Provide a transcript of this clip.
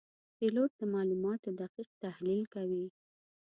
پیلوټ د معلوماتو دقیق تحلیل کوي.